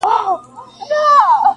• کيسه تماشه نه حل ښيي ښکاره,